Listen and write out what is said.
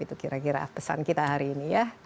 itu kira kira pesan kita hari ini ya